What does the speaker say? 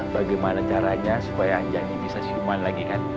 bagaimana caranya supaya anjang ini bisa simpan lagi kan